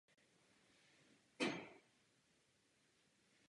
Je ženatý s herečkou Connie Fletcher.